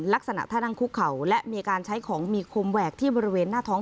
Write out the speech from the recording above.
ลักษณะท่านั่งคุกเข่าและมีการใช้ของมีคมแหวกที่บริเวณหน้าท้อง